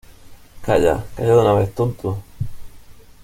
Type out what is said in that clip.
¡ Calla! ¡ calla de una vez, tonto!